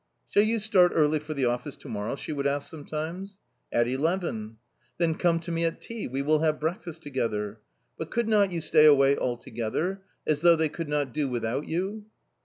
"Shall you start early for the office to morrow?" she would ask sometimes. "At eleven." " Then come to me at ten ; we will have breakfast together. But could not you stay away altogether. As though they could not do without you